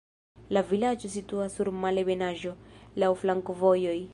La vilaĝo situas sur malebenaĵo, laŭ flankovojoj.